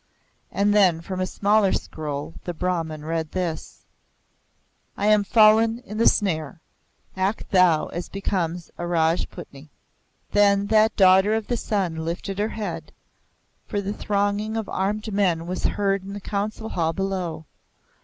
And from a smaller scroll, the Brahman read this: "I am fallen in the snare. Act thou as becomes a Rajputni." Then that Daughter of the Sun lifted her head, for the thronging of armed feet was heard in the Council Hall below.